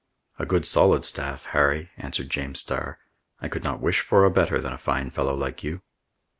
"A good solid staff, Harry," answered James Starr. "I could not wish for a better than a fine fellow like you."